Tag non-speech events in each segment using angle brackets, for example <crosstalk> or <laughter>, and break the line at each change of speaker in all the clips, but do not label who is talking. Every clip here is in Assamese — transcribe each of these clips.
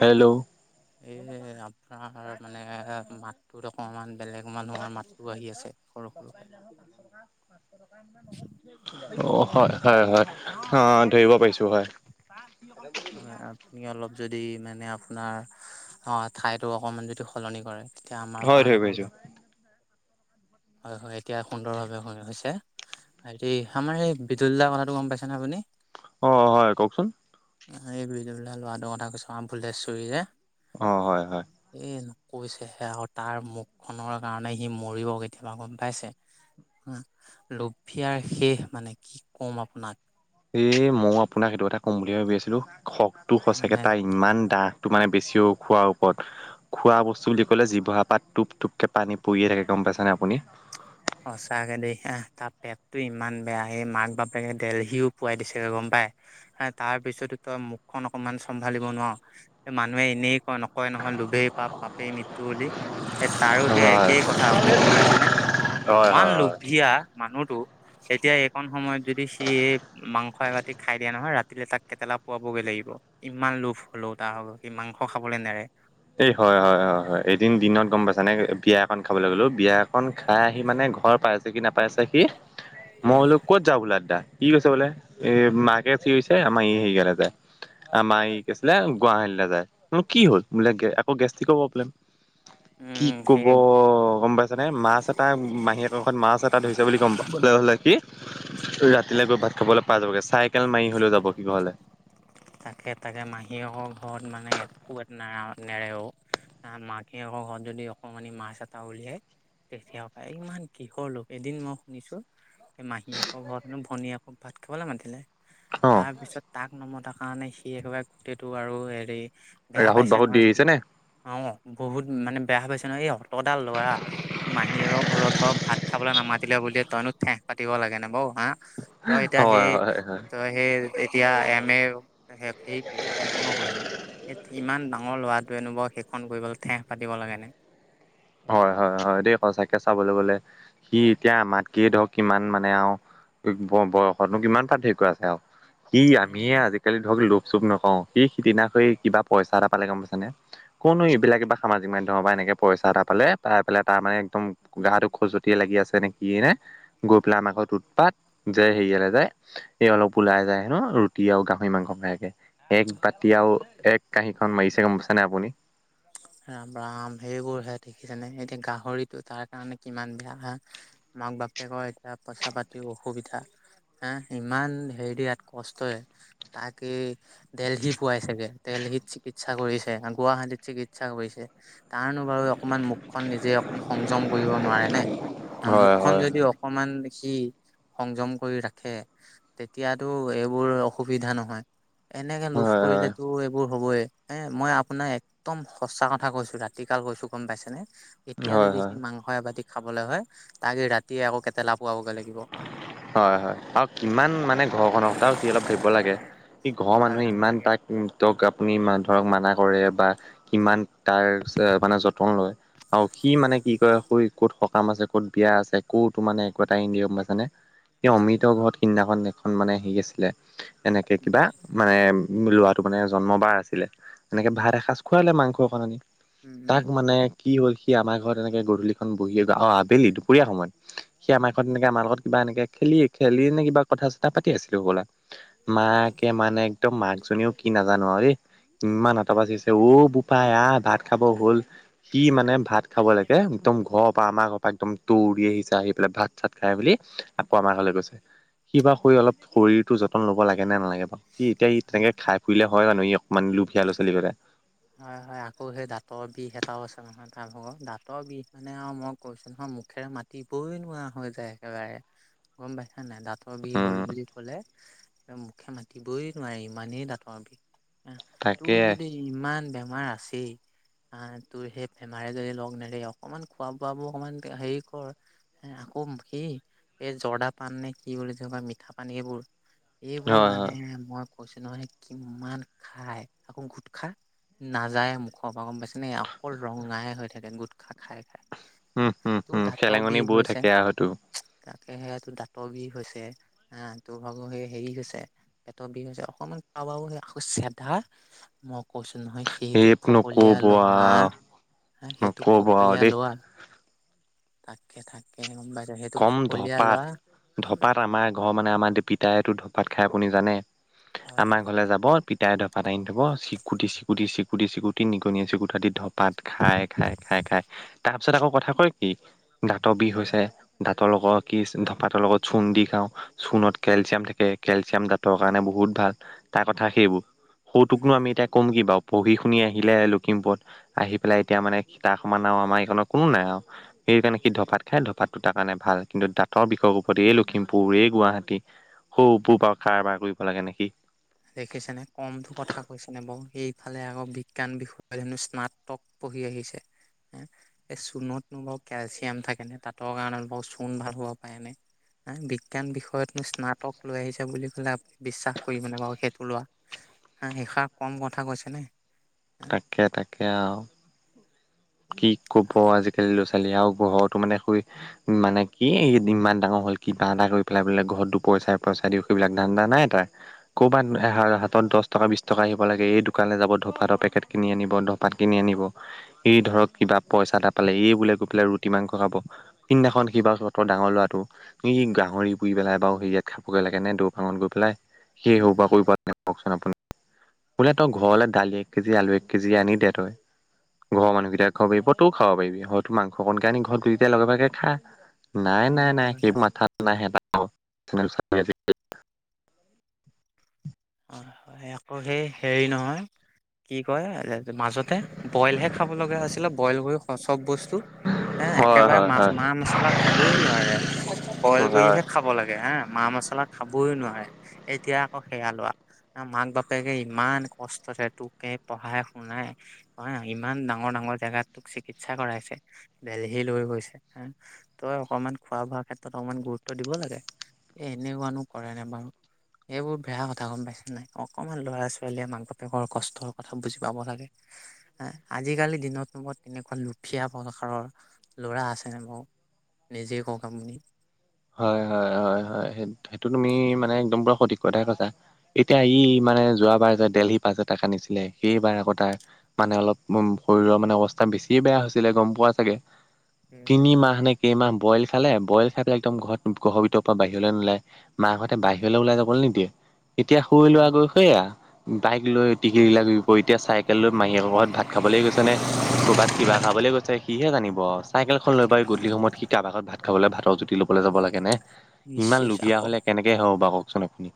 হেল্ল'
এই আপোনাৰ মানে মাতটোত অকণমান বেলেগ মানুহৰ মাতটো আহি আছে। সৰু সৰুকে
<unintelligible> অ হয় হয় হয় অ ধৰিব পাৰিছো হয়। <unintelligible>
আপুনি অলপ যদি মানে আপোনাৰ অ ঠাইতো অকনমান যদি সলনি কৰে এতিয়া আমাৰ
হয়
কাৰণে
ধৰিব পাৰিছো।
সুবিধা হয় হয় এতিয়া সুন্দৰ ভাৱে হৈছে। হেৰি আমাৰ এই বিদুলদা কথাটো গম পাইছে নে আপুনি?
অ হয় কওকচোন
এই বিদুলদা ল'ৰাটোৰ কথা কৈছো আমফুলেশ্বৰী যে
অঁ হয় হয়
এই কৈছেহে আৰু তাৰ মুখখনৰ কাৰণে সি মৰিব কেতিয়াবা গম পাইছে - লভিয়াৰ শেষ মানে কি ক'ম আপোনাক।
এ মইও আপোনাক সেইটো এটা কম বুলি ভাবিছিলো খকতটো সঁচাকে
মানে
তাৰ ইমান দাহটো মানে বেছিও খোৱাৰ ওপৰত খোৱা বস্তু বুলি কলে জিভা পা টোপ টোপকে পানী পৰিয়ে থাকে গম পাইছ নে আপুনি?
সঁচাকে দেই আহ তাৰ পেটটো ইমান বেয়া এই মাক বাপেকে দেলহিও পোৱাই দিছেগৈ গম পাই হা তাৰ পিছতো তই মুখখন অকনমান চম্ভালিব নোৱাৰ মানুহে এনেই নকয় নহয় লোবেই পাপ পাপেই মৃত্যু বুলি এই তাৰো সেই
হয়
একেই কথা আপুনি গম পাইছেনে।
হয়
ইমান
হয় হয়।
লোভীয়া মানুহটো তেতিয়া এইখন সময়ত যদি সি এই মাংস এবতি খাই দিয়া নহয় ৰাতিলে তাক কেটলা পোৱাবগৈ লাগিব। ইমান লোভ হলো তাৰ সি মাংস খাবলৈ নেৰে।
এই হয় হয় হয় হয় এদিন দিনত গম পাইছ নে বিয়া এখন খাবলৈ গলো, বিয়া এখন খাই আহি মানে ঘৰ পাই তে কি নাপাই চাকি কি মই
উম
বোলো ক'ত যা বোলা দা, কি কৈছে বোলে এ মাকে চি কৈছে আমাৰ ই হেৰি গে যোয়। আমাৰ এই কি আছিলে গুৱাহাটীলৈ যায় বোলোঁ কি হ'ল? বোলে গে আকৌ গেষ্টিকৰ প্ৰব্লেম, কি
উম
কব
সেই
গম পাই যোনে মাছ এটা মাহীকাষত মাছ এটা ধৰিছে বুলি গম পাবলৈ হ'লে কি
উম
ৰাতিলে গৈ ভাত খাবলৈ পাই যাবগে চাইকেল মাৰি হলেও যাব কিবা হলে।
তাকে তাকে মাহীয়েকৰ ঘৰত মানে একো এত না নেৰেও। আহ মাকে ঘৰত যদি অকমানি মাছ এটা উলিয়াই তেতিয়া পায় ইমান কিহৰ লোক এদিন মই শুনিছো সেই মাহীয়েকৰ ঘৰত হেনো ভনীয়ে আকৌ ভাত খাবলৈ মাতিলে
অ
তাৰপিছত তাক নমতাৰ কাৰণে সি একেবাৰে গোটেইটো আৰু হেৰি বেয়া
ৰাহুত
পাইছে
বাহুত দি
নহয়
আহিছে
কি?
নে
অ বহুত মানে বেয়া পাইছে ন এই অত ল'ৰা মা হি আৰু ঘৰত বাৰু ভাত খাবলৈ নামাতিলে বুল তইনো ঠেং পাতিব লাগে নে বৌ হা? তই এতিয়া
হয়
হেই
হয় হয়
তই সেই এতিয়া এম এ শেষ সেই সম্পূৰ্ণ কৰিলি। হেত ইমান ডাঙৰ ল'ৰাটোৱে এনো বা সেইখন কৰিবলৈ ঠেহ পাতিব লাগেনে?
হয় হয় হয় দেই সচাকে চাবলৈ গলে সি এতিয়া আমাতকে ধৰক কিমান মানে আৰু ই ব বয়সতনো কিমান পাত ঢেৰিক্য আছে আৰু কি আমিয়ে আজিকালি ধৰক লোক চুপ নকওঁ, সি সিদিনা কৰি কিবা পইচা এটা পালে গম পাইছানে? কোনো এইবিলাকে বা সামাজিক মাধ্যমৰ পৰা এনেকে পইচা এটা পালে পাই পেলাই তাৰ মানে একদম গাটো খজুৱতিয়ে লাগি আছে নে কি নে? গৈ পেলাই আমাৰ ঘৰত উৎপাত যে হেৰিয়ালে যায় এই অলপ ওলাই যায় হে ন ৰুটি আৰু গাহৰি মাংস ভয়াকে। এক বাতি আৰু এক কাঁহীখন মাৰিছে গম পাইছানে আপুনি?
ৰাম ৰাম! সেইবোৰহে দেখিছেনে এতিয়া গাহৰিটো তাৰ কাৰণে কিমান বেয়া হা! মাক বাপেকয় এতিয়া পইচা পাতিও অসুবিধা। হে ইমান হেৰি ইয়াত কষ্টয়। তাকে দেলহি পোৱাই চাগে দেলহিত চিকিৎসা কৰিছে, গুৱাহাটীত চিকিৎ ইচ্ছা কৰিছে তাৰনো বাৰু অকমান মুখখন নিজে অকণ সংযম কৰিব নোৱাৰে নে? আৰু
হয়
মুখখন
হয় হয়
যদি অকমান সি সংযম কৰি ৰাখে তেতিয়াতো এইবোৰ অসুবিধা নহয়। এনেকে লোভ
হয়
কৰিলেতো এইবোৰ হ'বই, এ মই আপোনাৰ একদম সঁচা কথা কৈছো ৰাতি কাল কৈছো গম পাইছে নে? এতিয়া
হয় হয়
যদি
হয়
সি মাং হয়া বাতি খাবলৈ হয় তাকে ৰাতিয়ে আকৌ কেটেলা পোৱাবগৈ লাগিব।
হয় হয় আৰু কিমান মানে ঘৰখনৰ তাৰ সি অলপ ধৰিব লাগে, সি ঘৰৰ
ভাবিব
মানুহে ইমান
নালাগে
তাক উম তেওঁক আপুনি মা ধৰক মানা কৰে বা কিমান তাৰ মানে যতন লয় আৰু সি মানে কি ক শুই ক'ত সকাম আছে, ক'ত বিয়া আছে, কৌতো মানে একো এটাই নিয়ম পাইছেনে? সেই অমৃতৰ ঘৰত সিদিনাখন এখন মানে হেৰি আছিলে এনেকে কিবা মানে ল'ৰাটো মানে জন্মবাৰ আছিলে, এনেকে
উম,
ভাত এসাঁজ খুৱালে মাংস কণনি
উম, উম,
তাক মানে কি হ'ল সি আমাৰ ঘৰত এনেকে গধূলিখন বহি গৈ অ আবেলি দুপৰীয়া সময়ত। সি আমাৰ ঘৰত এনেকে আমাৰ লগত কিবা এনেকে খেলি খেলি নে কিবা কথা চথা পাতি আছিলো হবলা মাকে মানে একদম মাকজনীও কি নাজানো আৰে দেই ইমান আতৰ চিঞৰিছে অ' বোপাই আহ, ভাত খাব হল। সি মানে ভাত খাব লাগে একদম ঘৰৰ পৰা আমাৰ ঘৰ একদম দৌৰি আহিছে আহি পেলাই ভাত চাত খাই মেলি আকৌ আমাৰ ঘৰলে গৈছে সি বা শ অলপ শৰীৰটো যতন ল'ব লাগে নে নালাগে সি এতিয়া সি তেনেকে খাই ফুৰিলে হয় জানো সি অকনমান লোভীয়া ল'ৰা ছোৱালী গতে
হয় - হয়, আকৌ সেই দাঁতৰ বিষ এটাও আছে নহয় তাৰ ভাগৰ, দাঁতৰ বিষ মানে আৰু মই কৈছো নহয় মুখেৰে মাতি তিপই নোৱা হৈ যায় একেবাৰে গম পাইছা নাই দাঁতৰ বিহ হ'ল
উম
বুলি কলে মুখে মাতিবই নোৱাৰে ইমানেই দাঁতৰ বিষ,
তাকে
তোৰ যদি ইমান বেমাৰ আছেই আ, তোৰ সেই ফেমাৰি যনি লগ নেৰি অকমান খোৱা বোৱাবোৰ অকমান হেৰি কৰ এ আকৌ সি, এই জৰ্দা পান নে কি বুলি মিঠা পান সেইবোৰ এইবোৰ
হয় হয়
মানে মই কৈছো নহয় কিমান খাই আকৌ গোটখা নাযায়ে মুখৰ পৰা গম পাইছেনে অকল ৰঙাই হৈ থাকে গোটখা খাই -
উম,
খাই
হুম, হুম,
তোৰ দাতৰ
চেলেঙনি
বিষ
বৈ
হৈছে
থাকে আৰু সেইটো
তাকে সেয়া তোৰ দাঁতৰ বিষ হৈছে, আ, তোৰ ভাগৰ সেই হেৰি হৈছে পেটৰ বিষ হৈছে অকনমান খোৱা বোৱো বোৰ আকৌ চেধা মই কৈছো নহয় সেইটো
সেই
ফকলিয়
নকব
লোৱা
আৰু
হা, সেইটো
নকব আৰু
ফকলীয়া
দেই
লোৱা তাকে থাকে গম পাইছা সেইটো
কম
ফকলীয়া
ধপাত
লোৱা
ধপাত আমাৰ ঘৰ মানে আমাৰ দে পিতায়তো ধপাত খায় আপুনি জানে
হয় হয়
আমাৰ ঘৰলৈ যাব পিতাই ধপাত আনি থব, চিকুটি - চিকুটি - চিকুটি - চিকুটি - চিকুটি, নিগনীয়ে চিকুটা দি ধ পাত খাই -খাই -খাই -খাই, তাৰপিছত আকৌ কথা কয় কি দাঁতৰ বিষ হৈছে দাঁতৰ লগত কি ধাপাতৰ লগত চূণ দি খাওঁ চোণত কেলচিয়াম থাকে কেলচিয়াম দাঁতৰ কাৰণে বহুত ভাল তাৰ কথা সেইবোৰ সৌতোকনো আমি এতিয়া কম কি বাৰু পঢ়ি শুনি আহিলে লখিমপুৰত আহি পেলাই এতিয়া মানে সিতাৰ সমান আৰু আমাৰ এইখনত কোনো নাই আৰু সেইকাৰণে কি ধপাত খাই ধপাতটো তাৰ কাৰণে ভাল কিন্ত দাঁতৰ বিষত <unintelligible> এই লখিমপুৰ, এই গুৱাহাটী
উম
<unintelligible> কাৰবাৰ কৰিব লাগে নে সি?
দেখিছেনে কমটো কথা কৈছেনে বাৰু এইফালে আকৌ বিজ্ঞান বিষয়ে হহনো স্নাতক পঢ়ি আহিছে এই চূণতনো বাৰু কেলচিয়াম থাকে নে দাঁতৰ কাৰণে বাৰু চূণ ভাল হব পাৰেনে? এ বিজ্ঞান বিষয়তনো স্নাতক লৈ আহিছে বুলি ক'লে আপুনি বিশ্বাস কৰিবনে বাৰু? সেইটো লোৱা হা এষাৰ কম কথা কৈছে নে?
তাকে তাকে আৰু কি ক'ব আজিকালি ল'ৰা ছোৱালী আও ঘৰতো মানে সই মানে কি ইমান ডাঙৰ হ'ল কিবা এটা কৰি পেলাই বোলে ঘৰতো দুপইচা এপইচা দি এইবিলাক ধান্দা নাই তাৰ ক'ৰবাত এহাৰ দশ টকা বিছ টকা আহিব লাগে এই দোকানলৈ যাব ধপাতৰ পেকেট কিনি আনিব ধপাত কিনি আনিব এই ধৰক কিবা পইচা এটা পালে এই বোলে গৈ পেলাই ৰুটি মাংস খাব সিদিনাখন কিবা <unintelligible> ডাঙৰ লৰাটো সি গাহৰি পুৰি পেলাই বাৰু হেৰিয়াত খাবগৈ লাগে নে দোৰপাঙত গৈ পেলাই সেই সৰু পৰা কৰিব <unintelligible> কওকচোন আপুনি বোলে তই ঘৰলৈ দালি এক কেজি আলু এক কেজি আনি দে তই ঘৰৰ মানুহকেইটা খাব পাৰিব তইও খাব পাৰিবি হয়তো মাংস অকণকে আনি ঘৰত দুইটায়ে লগে ভাগী খা নাই - নাই - নাই,
হয়
সেইবোৰ মাথাত নাহে তাৰ ভাগৰ <unintelligible>
হয় হয়, আকৌ সেই হেৰি নহয়। কি কয় মাজতে বইলহে খাব লগগা হৈছিলে, বইল কৰি চব বস্তু। এ'
হয়
একেবাৰে
হয়
মাছ
হয়
মা মছলা খাবই নোৱাৰে বইল
হয়।
কৰিহে। খাব লাগে হা, মা মছলা খাবই নোৱাৰে এতিয়া আকৌ সেয়া লোৱা। মাক বাপেকে ইমান কষ্টৰে তোকে পঢ়াই - শুনাই। হয় ইমান ডাঙৰ- ডাঙৰ জোগাত তোক চিকিৎসা কৰাইছে দেলহি লৈ গৈছে হা। তই অকনমান খোৱা- বোৱাৰ ক্ষেত্ৰত অকমান গুৰুত্ব দিব লাগে। এই এনেকুৱানো কৰে নে বাৰু এইবোৰ বেয়া। গম পাইছ নাই অকমান ল'ৰা ছোৱালীয়ে মাক বাপেকৰ কষ্টৰ কথা বুজি পাব লাগে। আজিকালি দিনতো বা তেনেকুৱা লুফীয়া প্ৰকাৰৰ ল'ৰা আছেনে বাৰু। নিজেই কওঁক আপুনি।
হয় হয়, হয় হয় স সেইটো তুমি মানে একদম পুৰা সঠিক কথাই কৈছা। এতিয়া ই মানে যোৱাবাৰ যে দেলহি পাছ এটাক আনিছিলে সেইবাৰ আকৌ তাৰ। মানে অলপ শৰীৰৰ মানে অৱস্থা বেছিয়ে বেয়া হৈছিলে গম পোৱা চাগে। তিনিমাহ নে কেইমাহ বইল খালে বইল খাই একদম ঘৰত ঘৰ ভিতৰ পৰা বাহিৰলৈ নোলায়, মাকহঁতে বাহিৰলৈ ওলাই যাব নেদিয়ে। এতিয়া শুই লোৱা গৈ সয়া, বাইক লৈ টিকি
উম,
লাগি এতিয়া চাইকেল লৈ মাহীয়ে কৰ ঘৰত ভাত। খাবলৈ গৈছে নে ক'ৰবাত কিবা খাবলৈ গৈছে সিহে জানিব আৰু। চাইকেলখন লৈ পাৰ গধূলি সময়ত সি কাৰবাৰ ভাত খাবলৈ ভাতৰ জুতি ল'ব যাব লাগেনে।
ইচ
ইমান
চিচ
লুবীয়া
আকৌ
হলে কেনেকে হব বাৰু কওকচোন আপুনি।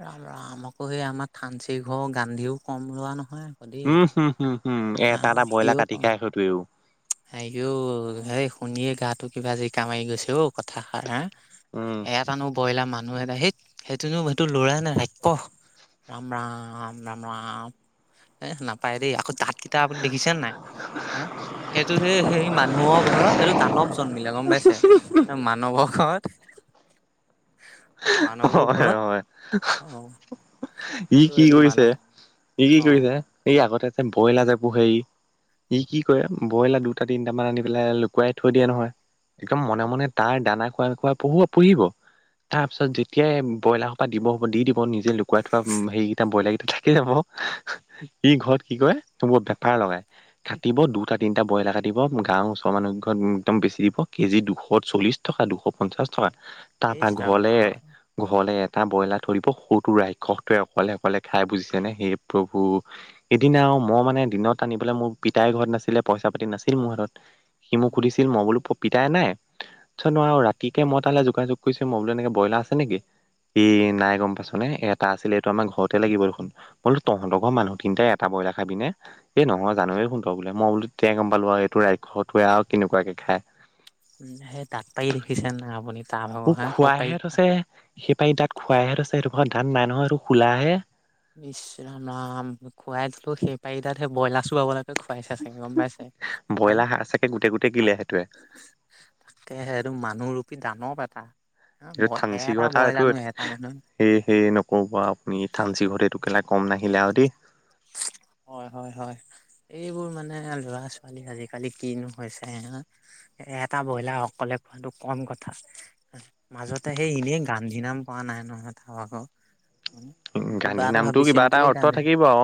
ৰাম ৰাম, আকৌ সেই আমাৰ থানচি ঘৰ গান্ধিও কম লৰা নহয়। দেই।
উম, হম হম হম এ এটা এটা ব্ৰইলাৰ কাটি খায় সেইটোৱেও।
হ হ শুনে গাটো কিবা যি কামাইি গৈছে হক <unintelligible> কথাষাৰ বা
উম,
এক <unintelligible> তাৰনো বইলাৰ মানুহ এটা সেইত সেইটোনো সেইটো লৰা নাই ৰাইখক। ৰাম ৰাম, ৰাম ৰাম এ নাপায় দেই আকৌ দাঁতকেইটা আপুনি দেখিছে নাই? হা সেইটো সেই - সেই মানুহৰ ঘৰত এইটো দানৱ জন্মিলে গম পাইছে ম। নৱখত।
হয়
ঘৰত
হয়,
অ
ই
এইটো
কি
এইটো
কৰিছে।
মানৱ
ই কি
অ
কৰিছে, ই আগতে যে বইলাৰ‌ যে পোহে‌ ই ই কি কৰে। ব্ৰইলাৰ দুটা- তিনিটামান আনি পেলাই লুকুৱাই থৈ দিয়ে নহয়। একদম মনে মনে তাৰ দানা খোৱা খোৱা পুহাই- পুহিব। তাৰপিছত যেতিয়াই ব্ৰলাৰৰ সোপা দিব হ'ব দি দিব, নিজে লুকুৱাই থোৱা সেইকেইটা ব্ৰইলাৰকেইটা। খেলে ক'ক ই ঘৰত কি কয় ত্ই বেপাৰ লগাই <unintelligible> কাটিব দুটা- তিনিটা ব্ৰইলাৰ কাটিব গাঁৱৰ ওচৰ মানুহ কিঘৰত‌‌ একদম বেছি দিব কেজি দুশ চল্লিছ। টকা দুশ পঞ্চাশ টকা তাৰপা
ইচ ৰাম
ঘৰলে।
ৰাম
ঘৰলে এটা ব্ৰইলাৰ থৈ দিব, সৰু তোয়ে ৰাক্ষসটোৱে অকলে- অকলে খাই বুজিছে নে হে প্ৰভু। সদিনা আৰু মই মানে দিনত আনিবেলে মোৰ পিতাই ঘৰত নাছিলে পইচা পাতি নাছিল মোৰ হাতত।। সি মোক সুধিছিল মই বোলো পিতাই নাই, তাৰ পিছত মই ৰাতিকে মই তালে যোগাযোগ। কৈছ মই বোলো এনেকে ব্ৰইাৰ আছে নেকি। ই নাই গম পাইছ নে, এটা আছিলে এইটো আমাৰ ঘৰতে লাগিব দেখোন। মই বোল তহতৰ ঘৰৰ মানুহ তিনিটাই এটা বইলাৰ খাবিনে। এ নহয় জানোৱেই দেখোন তই বোলে মই বোলো তেতিয়াই‌ গম পালো আৰু এইটো ৰাক্ষসটোৱে কেনেকুৱাকে খাই।
উম, সেই তাত পাই দেখিছে না আপুনি। তাৰ ভাগৰ
মোক
হা সৌ পাৰি
খোৱাইহে থৈছে সেই পাৰী দাত খোৱাইহে থৈছে সেইটো ঘৰত ধান নাই নহয় এইটো খোলাহে।
নিশ ৰাম ৰাম খুৱাই দিলো সেই পাৰি তাত সেই ব্ৰইলাৰ চলাব লাগে। ত খুৱাইছা চাগে গম পাইছে হা
ব্ৰইলাৰ হাড় চাকে গোটেই গোটেই গিলে সেইটোৱে
তাকে সে মানুহ ৰূপী দানৱ এটা অ এটা ব্ৰইলাৰনো এটা মানুহে
সেয়ে নক'ব আৰু আপুনি থানঞ্চি ঘৰ এইটো কেলা কম নাহিলে আৰু দেই
হয় হয় হয়। এইবোৰ মানে লৰা ছোৱালী আজিকালি কিনো হৈছে এটা ব্ৰইলাৰ অকলে খোৱাটো কম কথা। মাজতে সেই এনেই গান্ধী নাম পোৱা নাই নহয় তাৰ ভাগৰ উম, কিবা
গান্ধী
এটা
নামটো
ভাবি
কিবা এটা
চিন্তিয়ে
অৰ্থ
গান্ধী
থাকিব অ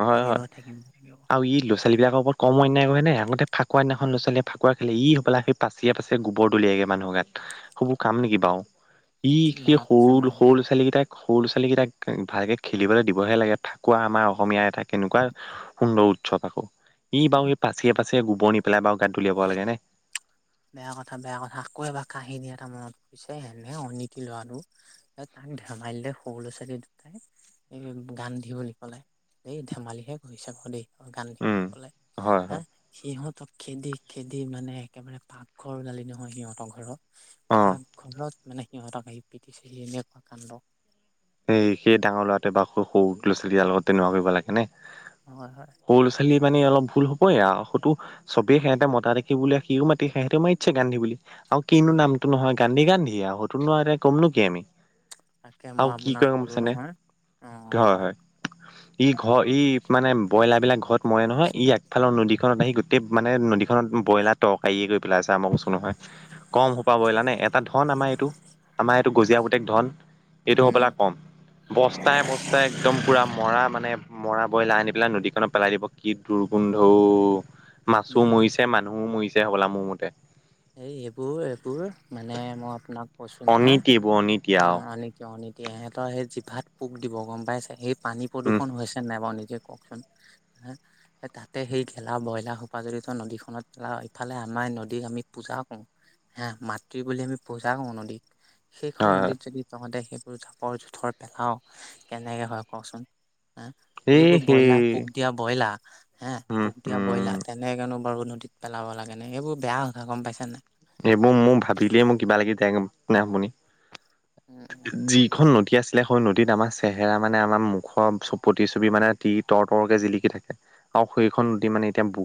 অ হয়
থাকিব
হয়
থাকিব থাকিব
আৰু ই লৈছে। ছোৱালীবিলাকৰ ওপৰত কম অন্যায় কৰে নে আগতে ফাকুৱ দিনাখন লৰা ছোৱালীয়ে ফাকুৱ খেলে ই হ'বলা স পাচি পাচি। যে গোবৰ দলিয়াইগে মানুহৰ গাত সেইবোৰ কাম নেকি বাৰু ই
উম,
সেই
মনত আছে
সৰু
মনত
সৰু
আছে।
ছোৱালি কেইটাক সৰু ছোৱালীকেইটাক ভালকে খেলিবলৈ দিবহে লাগে ফাকুৱা আমাৰ অসমীয়া এটা কেনেকুৱা সুন্দৰ উৎসৱ আকৌ ই বাৰু এই পাচিয়ে পাচিয়ে গোবৰ নি পেলাই বাৰু গাত দলিয়াব লাগেনে
বেয়া কথা বেয়া কথা আকৌ এবাৰ কাহিনী এটা মনত পৰিছে হেনে অনিতি ল'ৰাটো। তাক ধেমালিতে সৰু ল'ৰা ছোৱালী দুটাই এ গান্ধি বুলি কলে এই ধেমালিহে কৰিছে আকৌ দেই গান্ধী
উম
বুলি কলে
হয়
হা
হয়
সিহঁতক খেদি খেদি মানে একেবাৰে- পাকঘৰ ওলালি নহয় সিহঁতৰ ঘৰত
অ
পাক ঘৰত মানে সিহঁতক আহি পিটিছে সি এনেকুৱা কাণ্ড
সেই সেই ডাঙৰ ল'ৰাটোৱে বাৰু সৰু সৰু ল'ৰা-ছোৱালী বিলাকৰ লগত তেনেকুৱা কৰিব লাগে নে
হয় হয়।
সৰু ছোৱালী মানে অলপ ভুল হ'বই আৰু সতো চবেই সিহঁতে মতা দেখি বোলে সি মাতি সিহতেও মাতিছে গান্ধী বুলি আৰু কিনো
উম
নামটো নহয় গান্ধী গান্ধী আৰু সতোনো আৰু এতিয়া ক'ম নো কি আমি
তাকে মই
আৰু কি
আপোনাক
কৰে
ক'লো
গমপাইছেনে
নহয় অ কওক
ডেট ই ঘৰ ই মানে ব্ৰইলাৰ বিলাক ঘৰত মৰে নহয় ই আগফালৰ নদীখনত আহি গোটেই মানে নদীখনত ব্ৰইলাৰ টৰকাৰীয়ে কৰি পেলাইছে আমাৰ কয়ছো নহয় কম সোপা ব্ৰইলাৰ নে এটা ধন আমাৰ এইটো আমাৰ এইটো গজিয়া পুতেক ধন এইটো
উম
হ'বেলাক কম বস্তাই, বস্তাই একদম পূৰা মৰা মানে মৰা বইলা আনি পেলাই নদীখনত পেলাই দিব, কি দুৰ্গোন্ধও মাছো
উম
মৰিছে, মানুহো মৰিছে হ'বলা মোৰ মতে
এই এইবোৰ, এইবোৰ মানে মই আপোনাক কৈছো
অনীতি এইবোৰ অনীতি
নহয়
আও
আনি নিতি ইহঁতৰ সেই জিভাত পোক দিব, গম পাইছে সেই পানী
উম
প্ৰদূষণ হৈছে নাই বাৰু নিজে কওকচোন তাতে সেই গেলা ব্ৰইলাৰ সোপা জৰিত নদীখনত পেলাওঁ ইফালে আমাৰ নদীক আমি পূজা কৰো, হে মাতৃ বুলি আমি পূজা কৰো নদীত
হয়
সেইখন
হয়
নদীত যদি তহতে সেইবোৰ জাপৰ জোথৰ পেলাও কেনেকে হয় কচোন হা
এই
সেইবোৰ
সেই
ব্ৰইলাৰ পোক দিয়া ব্ৰইলাৰ হে
উম
পুক দিয়া
উম
ব্ৰইলাৰ, তেনেকেনো বাৰু নদীত পেলাব লাগে নে, সেইবোৰ বেয়া। গম পাইচা নাই।
এইবোৰ মোৰ ভাবিলিয় মোৰ কিবা লাগি যাই, আপুনি
উম উম বুজিছো
যিখন নদী আছে এনেখন নদীত আমাৰ চেহেৰা মানে আমাৰ মুখৰ চব প্ৰতি চবি মানে তি, তৰ তৰকে জিলিকি থাকে। আৰু সেইখন নদী মানে এতিয়া বুক